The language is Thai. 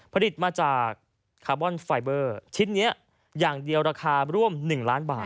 ผลิตมาจากคาร์บอนไฟเบอร์ชิ้นนี้อย่างเดียวราคาร่วม๑ล้านบาท